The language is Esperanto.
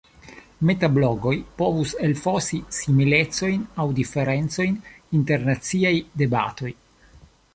Metablogoj povus elfosi similecojn aŭ diferencojn inter naciaj debatoj.